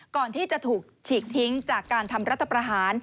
ก่อนที่จะถูกฉีกทิ้งจากการทำรัฐประหาร